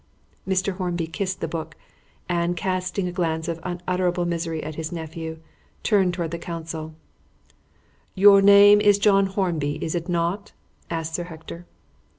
Mr. Hornby kissed the Book, and, casting a glance of unutterable misery at his nephew, turned towards the counsel. "Your name is John Hornby, is it not?" asked Sir Hector.